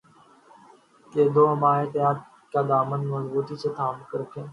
کہ دو ماہ احتیاط کا دامن مضبوطی سے تھام کررکھیں